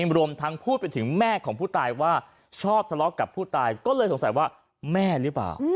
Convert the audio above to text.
รวมทั้งพูดไปถึงแม่ของผู้ตายว่าชอบทะเลาะกับผู้ตายก็เลยสงสัยว่าแม่หรือเปล่า